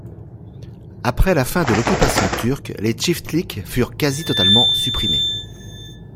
Après la fin de l'occupation turque, les tchiftliks furent quasi-totalement supprimés.